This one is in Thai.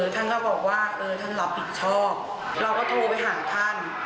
ท่านก็บอกว่าเออท่านรับผิดชอบเราก็โทรไปหาท่าน